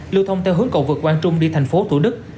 lưu thông theo hướng cầu vực quang trung đi tp thủ đức